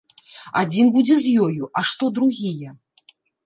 Адзін будзе з ёю, а што другія?